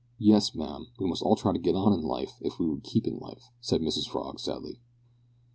"Yes, ma'am, we must all try to git on in life if we would keep in life," said Mrs Frog, sadly.